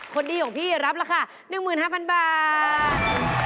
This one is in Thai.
คนดีของพี่เร็พลค่ะ๑๕๐๐๐บาท